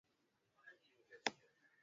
Samahani kwa kukukosea